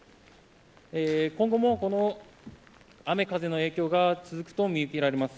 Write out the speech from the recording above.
今後も雨風の影響が続くと見受けられます。